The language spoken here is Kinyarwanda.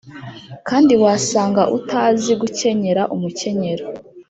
Kandi wasanga utazi gukenyera umukenyero